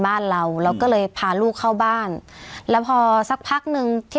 บ้านเราเราก็เลยพาลูกเข้าบ้านแล้วพอสักพักหนึ่งที่